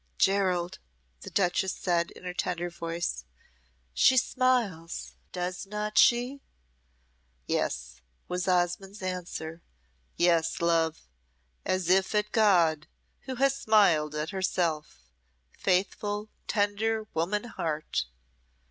"Gerald," the duchess said, in her tender voice, "she smiles, does not she?" "Yes," was Osmonde's answer "yes, love, as if at God, who has smiled at herself faithful, tender woman heart!"